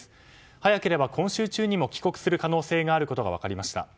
早ければ今週中にも帰国する可能性があること分かりました。